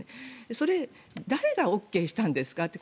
それ、誰がＯＫしたんですかと。